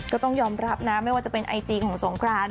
ก็ต้องยอมรับนะไม่ว่าจะเป็นไอจีของสงคราน